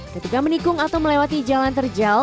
ketika menikung atau melewati jalan terjal